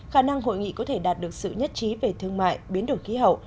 khả năng hội nghị có thể đạt được sự nhất trí về thương mại biến đổi khí hậu